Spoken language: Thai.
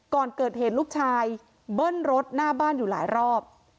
ก่อนเกิดเหตุลูกชายเบิ้ลรถหน้าบ้านอยู่หลายรอบ